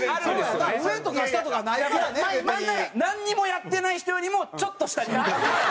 なんにもやってない人よりもちょっと下に見てるんですよ。